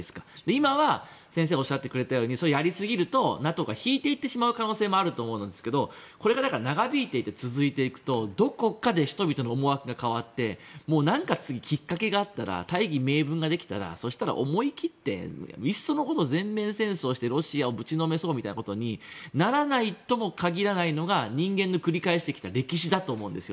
今は先生がおっしゃってくれたようにやりすぎるとＮＡＴＯが引いていってしまう可能性もあると思うんですがこれがだから長引いて続いていくとどこかで人々の思惑が変わって何か次きっかけがあったら大義名分ができたらそしたら思い切っていっそのこと全面戦争してロシアをぶちのめそうみたいなことにならないとも限らないのが人間の繰り返してきた歴史だと思うんです。